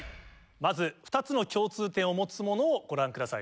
まず２つの共通点を持つものをご覧ください